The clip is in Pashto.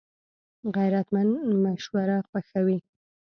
غیرتمند مشوره خوښوي